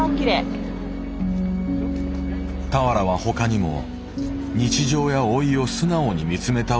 俵は他にも日常や老いを素直に見つめた歌を作っていた。